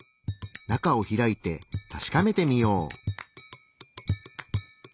中を開いて確かめてみよう。